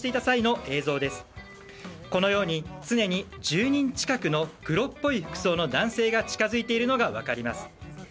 このように常に１０人近くの黒っぽい服装の男性が近づいているのが分かります。